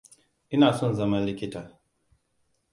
Ina son zama likita.